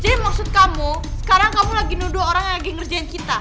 maksud kamu sekarang kamu lagi nuduh orang yang lagi ngerjain kita